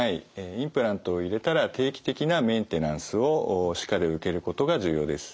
インプラントを入れたら定期的なメンテナンスをしっかり受けることが重要です。